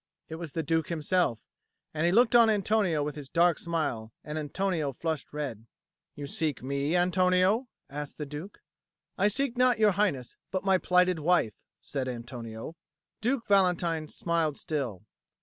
It was the Duke himself, and he looked on Antonio with his dark smile, and Antonio flushed red. "You seek me, Antonio?" asked the Duke. "I seek not your Highness, but my plighted wife," said Antonio. Duke Valentine smiled still.